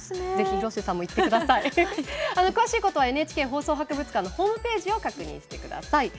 詳しくはＮＨＫ放送博物館のホームページを確認してください。